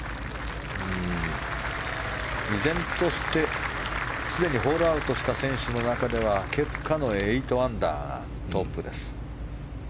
依然としてすでにホールアウトした選手の中ではケプカの８アンダーがトップです。